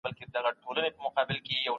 حرفه او صنعت اقتصاد ته وده ورکوي.